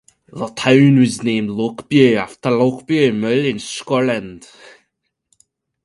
The town was named Lochbuie after Lochbuie, Mull in Scotland.